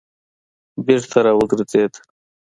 بېرته را وګرځېد.